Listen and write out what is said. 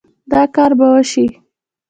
دا کار به وشي